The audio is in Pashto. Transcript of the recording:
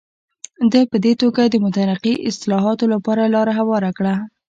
ده په دې توګه د مترقي اصلاحاتو لپاره لاره هواره کړه.